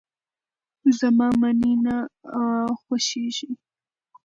زما منی نه خوښيږي.